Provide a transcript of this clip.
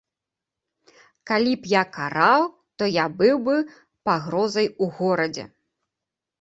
Калі б я караў, то я быў бы пагрозай у горадзе.